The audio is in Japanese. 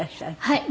はい。